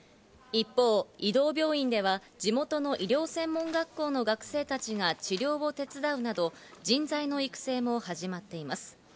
一方、移動病院では地元の医療専門学校の学生たちが治療を手伝うなど、人材の育成も始まっています。